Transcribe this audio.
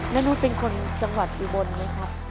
นุษย์เป็นคนจังหวัดอุบลไหมครับ